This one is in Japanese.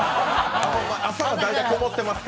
朝は大体こもっていますか。